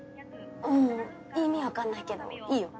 あぁ意味分かんないけどいいよ。